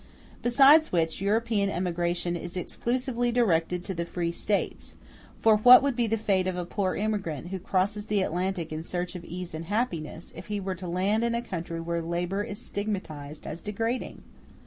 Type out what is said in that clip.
Besides which, European emigration is exclusively directed to the free States; for what would be the fate of a poor emigrant who crosses the Atlantic in search of ease and happiness if he were to land in a country where labor is stigmatized as degrading?